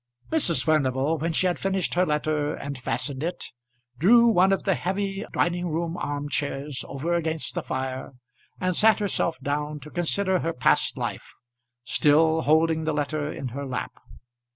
Mrs. Furnival, when she had finished her letter and fastened it, drew one of the heavy dining room arm chairs over against the fire, and sat herself down to consider her past life, still holding the letter in her lap.